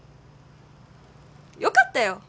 よかったよ。